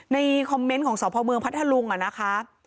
ในคอมเมนต์ของสพเมืองพัทธลุงนะคะ